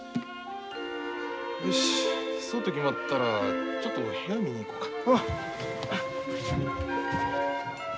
よしそうと決まったらちょっと部屋見に行こうか。